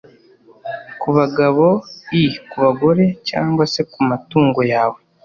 ku bagabo, i ku bagore, cyangwa se ku matungo yawe.